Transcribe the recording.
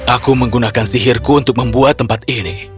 aku menggunakan sihirku untuk membuat tempat ini